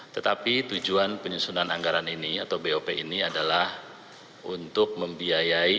tetapi tujuan penyusunan anggaran ini atau bop ini adalah untuk membiayai